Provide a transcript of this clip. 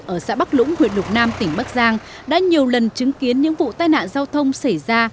ở xã bắc lũng huyện lục nam tỉnh bắc giang đã nhiều lần chứng kiến những vụ tai nạn giao thông xảy ra